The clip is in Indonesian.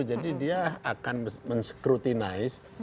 jadi dia akan men scrutinize